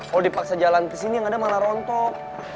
kalau dipaksa jalan ke sini gak ada mana rontok